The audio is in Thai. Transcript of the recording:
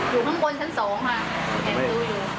อยู่ข้างบนชั้น๒ค่ะ